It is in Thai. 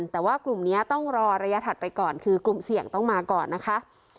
แต่ว่ากลุ่มนี้ต้องรอระยะถัดไปก่อนคือกลุ่มเสี่ยงต้องมาก่อนนะคะ